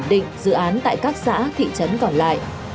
dự án tại các xã thị trấn còn lại